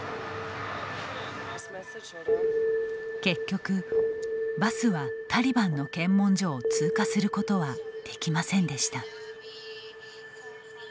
結局バスはタリバンの検問所を通過することはできませんでした。